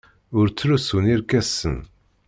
Ur ttlusun irkasen.